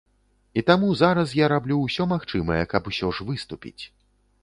І таму зараз я раблю ўсё магчымае, каб усё ж выступіць.